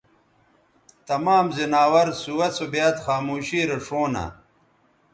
تمام زناور سُوہ سو بیاد خاموشی رے ݜؤں نہ